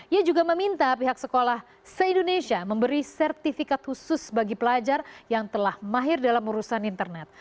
ia juga meminta pihak sekolah se indonesia memberi sertifikat khusus bagi pelajar yang telah mahir dalam urusan internet